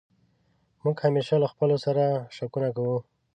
موږ همېشه له خپلو سر شکونه کوو.